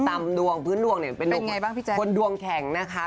ตามดวงพื้นดวงเนี่ยเป็นดวงคนดวงแข็งนะคะ